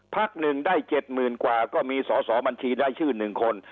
พักหนึ่งได้๗๐๐๐กว่าก็มีสอสอบัญชีได้ชื่อ๑คน